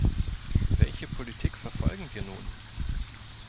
Welche Politik verfolgen wir nun?